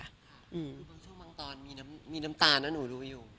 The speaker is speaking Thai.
คือบางช่วงบางตอนมีน้ำตาลนะหนูดูอยู่